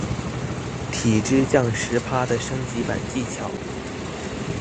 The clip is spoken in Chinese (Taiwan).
體脂降十趴的升級版技巧